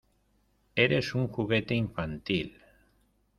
¡ Eres un juguete infantil!